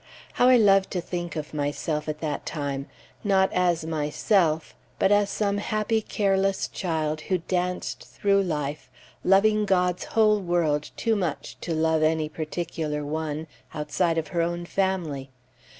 How I love to think of myself at that time! Not as myself, but as some happy, careless child who danced through life, loving God's whole world too much to love any particular one, outside of her own family.